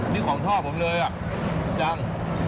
นี่ของทอดผมเลยจัง